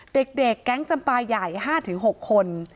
เด็กแก๊งจำปลาใหญ่๕๖คน